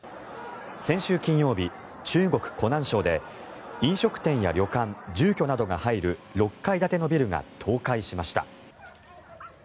先週金曜日中国・湖南省で飲食店や旅館、住居などが入る６階建てのビルが倒壊しました。